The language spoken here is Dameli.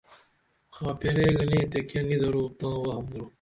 خاپیریہ گنے تے کیہ نی درو تاں وہم درو